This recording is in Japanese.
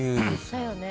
だよね。